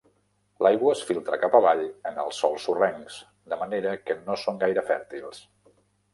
L'aigua es filtra cap avall en els sòls sorrencs, de manera que no són gaire fèrtils.